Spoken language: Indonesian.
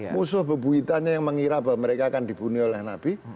musuh bebuitannya yang mengira bahwa mereka akan dibunuh oleh nabi